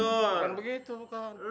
bukan begitu bukan